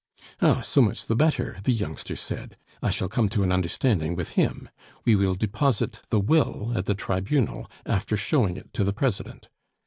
'Ah, so much the better!' the youngster said. 'I shall come to an understanding with him. We will deposit the will at the Tribunal, after showing it to the President.